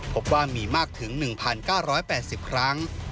พบว่ามีมากถึง๑๙๘๐ครั้ง